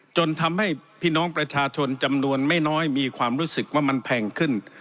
จนทำให้พี่น้องประชาชนจำนวนไม่น้อยมีความรู้สึกว่ามันแพงขึ้น